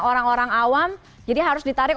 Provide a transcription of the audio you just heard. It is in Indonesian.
orang orang awam jadi harus ditarik